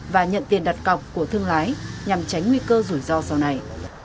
và nhận tiền đặt cọc của thương lái nhằm tránh nguy cơ rủi ro sau này